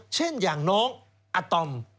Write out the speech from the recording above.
เช่นอย่างน้องอัตอม